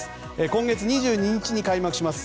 今月２２日に開幕します